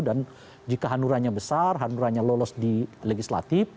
dan jika hanuranya besar hanuranya lolos di legislatif